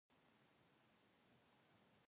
زه برېښنالیک لیږم